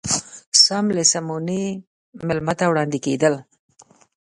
سم له سمونې مېلمه ته وړاندې کېدل.